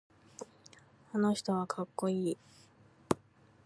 あの人はかっこいい。